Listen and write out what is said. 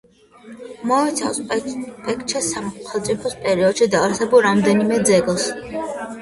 მოიცავს პექჩეს სახელმწიფოს პერიოდში დაარსებულ რამდენიმე ძეგლს.